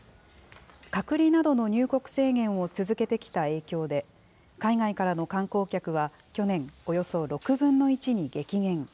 隔離などの入国制限を続けてきた影響で、海外からの観光客は去年、およそ６分の１に激減。